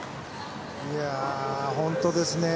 本当ですね。